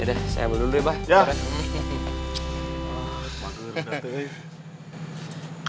ya udah saya ambil dulu ya bapak